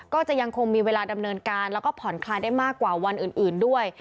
ก็จะยังคงมีเวลาดำเนินการแล้วก็ผ่อนคลายได้มากกว่าวันอื่นด้วย